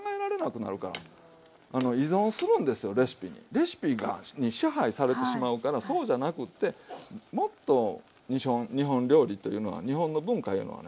レシピに支配されてしまうからそうじゃなくってもっと日本料理というのは日本の文化いうのはね